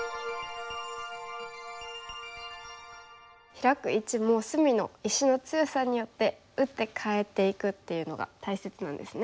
ヒラく位置も隅の石の強さによって打ってかえていくっていうのが大切なんですね。